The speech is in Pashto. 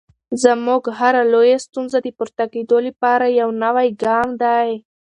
زموږ هره لویه ستونزه د پورته کېدو لپاره یو نوی ګام دی.